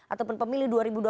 ataupun pemilu dua ribu dua puluh